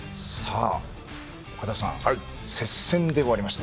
岡田さん、接戦で終わりました。